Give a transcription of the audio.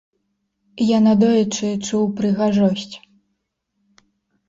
Я надоечы чуў прыгажосць.